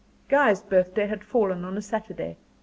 Guy's birthday had fallen on a Saturday.